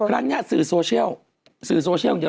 ครั้งนี้สื่อโซเชียลสื่อโซเชียลอย่างเดียว